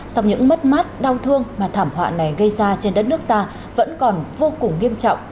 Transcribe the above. sau những mất mát đau thương mà thảm họa này gây ra trên đất nước ta vẫn còn vô cùng nghiêm trọng